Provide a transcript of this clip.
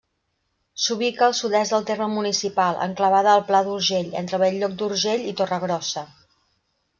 S'ubica al sud-est del terme municipal, enclavada al Pla d'Urgell, entre Bell-lloc d'Urgell i Torregrossa.